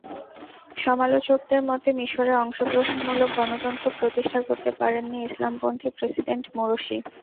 সমালোচকদের মতে, মিসরে অংশগ্রহণমূলক গণতন্ত্র প্রতিষ্ঠা করতে পারেননি ইসলামপন্থী প্রেসিডেন্ট মুরসি।